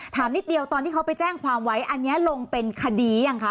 นิดเดียวตอนที่เขาไปแจ้งความไว้อันนี้ลงเป็นคดียังคะ